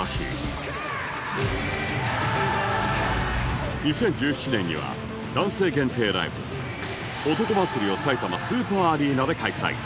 「Ｗｅａｒｅ」２０１７年には男性限定ライブ「男祭り」をさいたまスーパーアリーナで開催